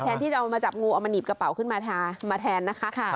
ที่จะเอามาจับงูเอามาหนีบกระเป๋าขึ้นมามาแทนนะคะ